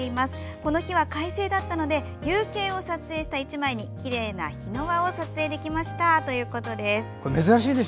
この日は快晴だったので夕景を撮影した一枚にきれいな日の輪を撮影できましたということです。